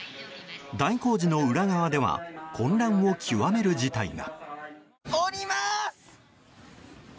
大工事の裏側では混乱を極める事態が。